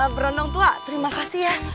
beruntung tua terima kasih ya